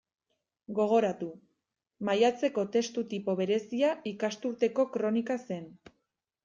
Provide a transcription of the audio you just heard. Gogoratu; maiatzeko testu tipo berezia ikasturteko kronika zen.